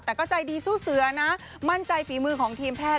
แต่ก็ใจดีสู้เสือนะมั่นใจฝีมือของทีมแพทย์